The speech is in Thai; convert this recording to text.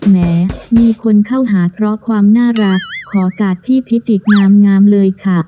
แม้มีคนเข้าหาเพราะความน่ารักขอกาดพี่พิจิกงามเลยค่ะ